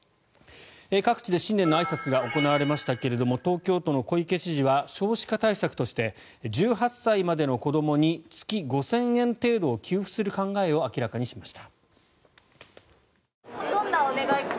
各地で新年のあいさつが行われましたが東京都の小池知事は少子化対策として１８歳までの子どもに月５０００円程度を給付する考えを明らかにしました。